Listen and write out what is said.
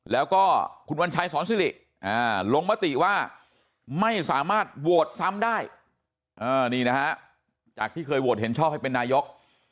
แล้วก็คุณวัญชัยสอนซิริลงมติว่าไม่สามารถโหวตซ้ำได้นี่นะฮะจากที่เคยโหวตเห็นชอบให้เป็นนายก